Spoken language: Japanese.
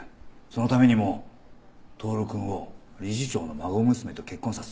そのためにも透くんを理事長の孫娘と結婚させておきたい。